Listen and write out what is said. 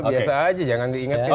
biasa saja jangan diingatkan